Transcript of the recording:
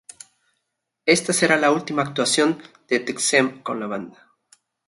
Esta será la última actuación de Txema con la banda.